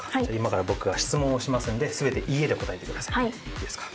いいですか？